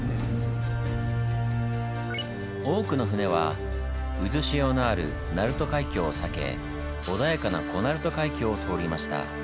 多くの船は渦潮のある鳴門海峡を避け穏やかな小鳴門海峡を通りました。